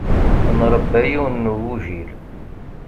Nṛebba yiwen n ugujil.